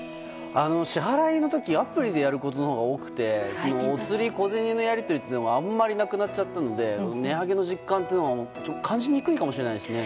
支払いの時アプリでやることが多くてお釣りのやり取りがあまりなくなっちゃったので値上げの実感というのは感じにくいかもしれないですね。